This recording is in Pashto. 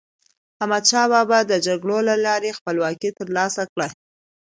احمدشاه بابا د جګړو له لارې خپلواکي تر لاسه کړه.